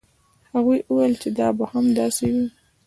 هغې وویل چې دا به هم داسې وي.